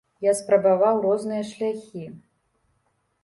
Я спрабаваў розныя шляхі.